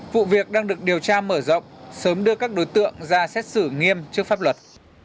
vụ việc đang được điều tra mở rộng sớm đưa các đối tượng ra xét xử nghiêm trước pháp luật